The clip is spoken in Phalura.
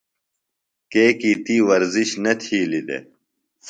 کیکیۡ تی ورزش نہ تِھیلیۡ دےۡ۔